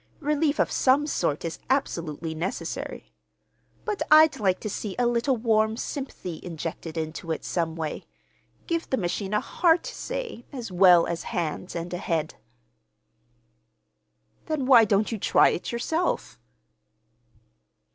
Relief of some sort is absolutely necessary. But I'd like to see a little warm sympathy injected into it, some way. Give the machine a heart, say, as well as hands and a head." "Then why don't you try it yourself?"